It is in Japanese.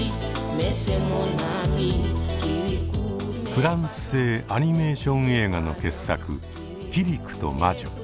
フランス製アニメーション映画の傑作「キリクと魔女」。